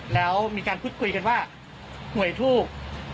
แล้วมีการพูดคุยกันว่าหวยถูก